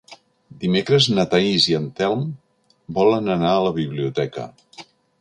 Dimecres na Thaís i en Telm volen anar a la biblioteca.